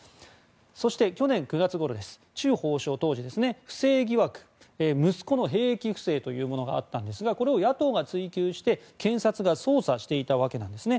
そして、去年９月ごろチュ法相は当時息子の兵役不正というものがあったんですがこれを野党が追及して検察が捜査していたわけなんですね。